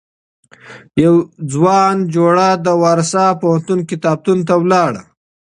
يوه ځوانه جوړه د وارسا پوهنتون کتابتون ته ولاړه.